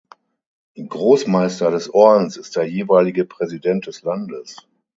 Großmeister des Ordens ist der jeweilige Präsident des Landes.